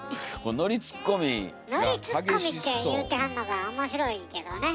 のりツッコミって言うてはんのが面白いけどね。